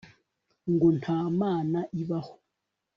ngo nta mana ibaho